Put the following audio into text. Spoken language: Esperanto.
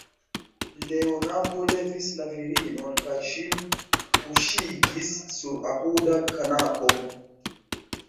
Leonardo levis la virinon kaj ŝin kuŝigis sur apudan kanapon.